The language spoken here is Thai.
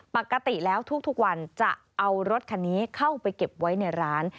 ปกติแล้วทุกวันจะเอารถคันนี้เข้าไปเก็บไว้ในร้าน